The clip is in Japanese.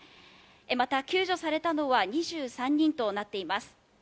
また救助されたのは２３人となっています。